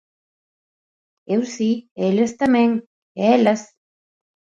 Eu si e eles tamén, e elas.